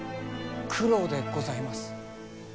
九郎でございます。